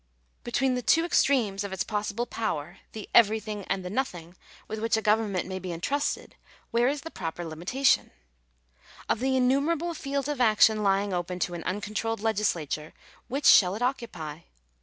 Between the two Digitized by VjOOQIC 284 THE LIMIT OF STATE DUTY. extremes of its possible power — the everything and the nothing with which a government may be entrusted, where is the proper limitation ? Of the innumerable fields of action lying open to an uncontrolled legislature, which shall it occupy?